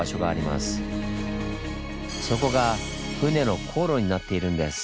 そこが船の航路になっているんです。